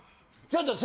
ちょっと。